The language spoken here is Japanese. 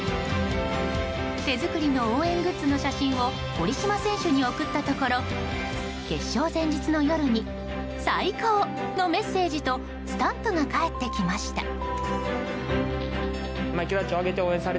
手作りの応援グッズの写真を堀島選手に送ったところ決勝前日の夜に「最高！」のメッセージとスタンプが返ってきました。